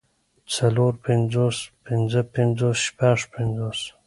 څلور پنځوس پنځۀ پنځوس شپږ پنځوس